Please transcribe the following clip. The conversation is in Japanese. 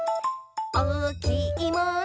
「おおきいもの？